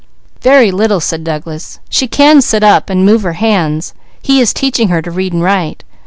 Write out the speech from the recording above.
'" "Very little," said Douglas. "She can sit up and move her hands. He is teaching her to read and write.